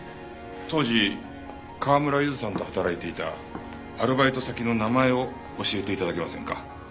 当時川村ゆずさんと働いていたアルバイト先の名前を教えて頂けませんか？